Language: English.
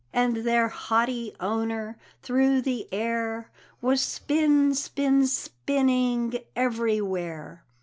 And their haughty owner, through the air, Was spin, spin, spinning everywhere.